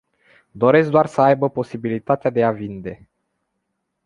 Doresc doar să aibă posibilitatea de a vinde.